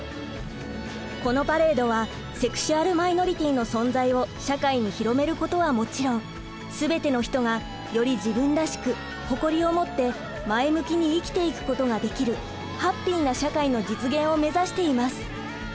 このパレードはセクシュアル・マイノリティーの存在を社会に広めることはもちろん全ての人がより自分らしく誇りを持って前向きに生きていくことができるハッピーな社会の実現をめざしています。